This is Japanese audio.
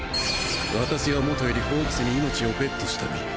私は元よりホークスに命をベットした身。